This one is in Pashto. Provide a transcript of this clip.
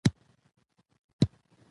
نمک د افغانستان د صادراتو برخه ده.